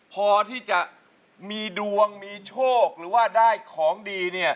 พอที่จะมีดวงมีโชคหรือว่าได้ของดีเนี่ย